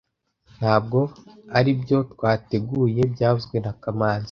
Ntabwo aribyo twateguye byavuzwe na kamanzi